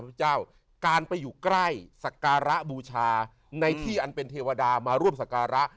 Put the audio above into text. พระพุทธเจ้าการไปอยู่ใกล้สักการะบูชาในที่อันเป็นเทวดามาร่วมสการะ